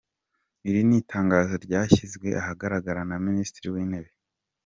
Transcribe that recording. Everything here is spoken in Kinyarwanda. Iri ni itangazo ryashyizwe ahagaragara na Minisitiri w'intebe.